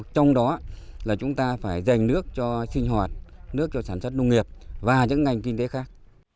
trong đó là chúng ta phải dành nước cho sinh hoạt nước cho sản xuất nông nghiệp và những ngành kinh tế khác